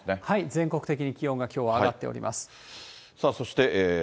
全国的に気温がきょうは上がっております。